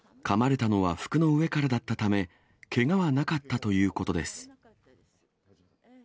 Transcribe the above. かまれたのは服の上からだったため、けがはなかったということです。